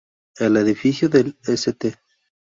El edificio del "St.